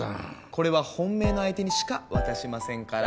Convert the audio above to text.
これは本命の相手にしか渡しませんから。